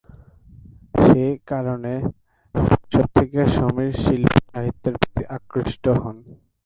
সে-কারণে শৈশব থেকে সমীর শিল্প-সাহিত্যের প্রতি আকৃষ্ট হন।